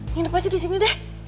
nginep aja di sini deh